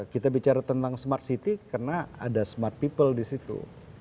kita bicara tentang smart city karena ada smart people di situ